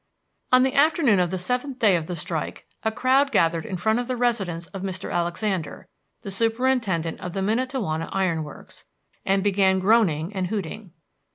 On the afternoon of the seventh day of the strike a crowd gathered in front of the residence of Mr. Alexander, the superintendent of the Miantowona Iron Works, and began groaning and hooting.